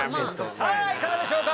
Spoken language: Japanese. さぁいかがでしょうか？